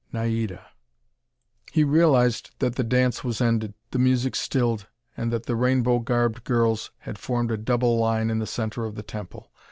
Naida! He realized that the dance was ended, the music stilled, and that the rainbow garbed girls had formed a double line in the center of the temple.